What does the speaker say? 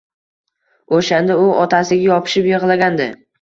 O‘shanda u otasiga yopishib yig‘lagandi.